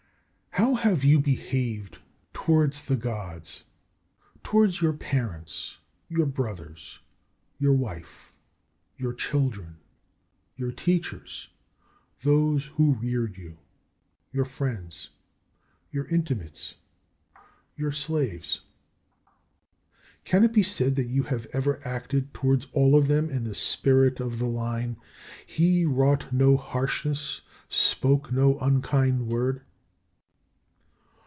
31. How have you behaved towards the Gods, towards your parents, your brothers, your wife, your children, your teachers, those who reared you, your friends, your intimates, your slaves? Can it be said that you have ever acted towards all of them in the spirit of the line: He wrought no harshness, spoke no unkind word?